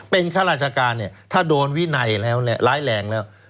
เป็นข้าราชการเนี่ยถ้าโดนวินัยแล้วเนี่ยร้ายแรงแล้ว